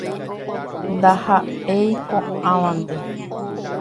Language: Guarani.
Ndaha'éi ko'ãvante.